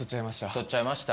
取っちゃいました？